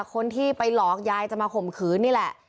คนที่ไปหลอกยายจะมาข่มขืนนี่แหละ